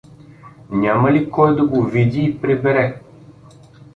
Няма ли кой да го види и прибере?